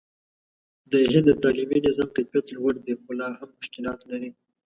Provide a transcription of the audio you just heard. د هند د تعلیمي نظام کیفیت لوړ دی، خو لا هم مشکلات لري.